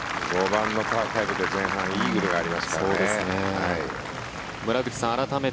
５番のパー５で前半イーグルがありますからね。